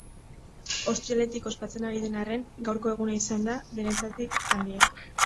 Ostiraletik ospatzen ari den arren, gaurko eguna izan da denetatik handiena.